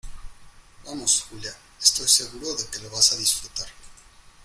vamos, Julia , estoy seguro de que lo vas a disfrutar.